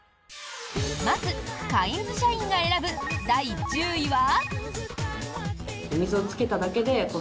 まず、カインズ社員が選ぶ第１０位は。